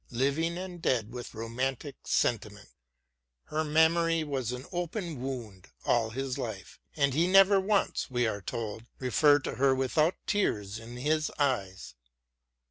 34 SAMUEL JOHNSON living and dead, with romantic sentiment: her memory was an open wound all his life, and he never, we are told, referred to her without tears in his eyes.